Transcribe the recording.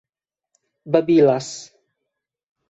babilas